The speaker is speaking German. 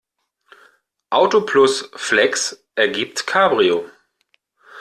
Auto plus Flex ergibt Cabrio.